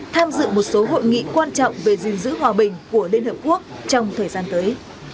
tham dự một số hội nghị quan trọng về gìn giữ hòa bình của liên hợp quốc trong thời gian tới